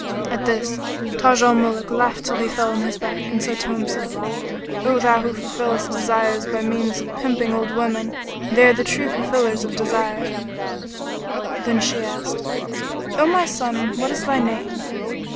At this, Taj al Muluk laughed till he fell on his back and said to himself, "O Thou who fulfillest desires human by means of pimping old women! They are the true fulfillers of desires!" Then she asked, "O my son, what is thy name?"